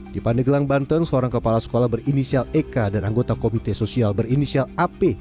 di pandeglang banten seorang kepala sekolah berinisial eka dan anggota komite sosial berinisial ap